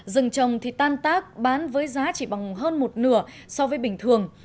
rừng trồng thì tan tác bán với giá chỉ bằng hơn một nửa so với bình thường